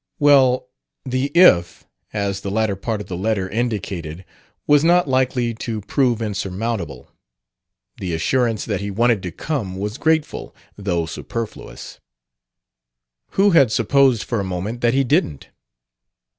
Well, the "if," as the latter part of the letter indicated, was not likely to prove insurmountable. The assurance that he wanted to come was grateful, though superfluous: who had supposed for a moment that he didn't?